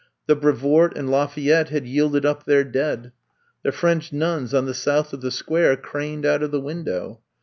The Brevoort and Lafayette had yielded up their dead. The French nuns on the south of the Square craned out of the window.